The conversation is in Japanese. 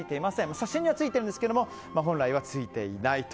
刺し身はついているんですが本来はついていないと。